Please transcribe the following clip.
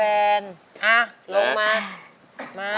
ลงมา